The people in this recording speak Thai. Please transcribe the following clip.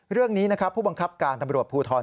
เรื่องนี้นะครับผู้บังคับการตำรวจภูทร